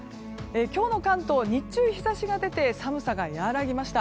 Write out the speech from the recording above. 今日の関東、日中は日差しが出て寒さが和らぎました。